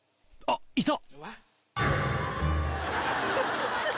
あっいた！